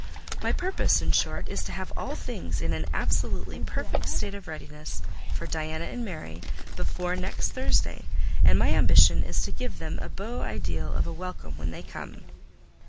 My purpose, in short, is to have all things in an absolutely perfect state of readiness for Diana and Mary before next Thursday; and my ambition is to give them a beau ideal of a welcome when they come."